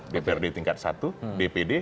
dprd tingkat satu dpd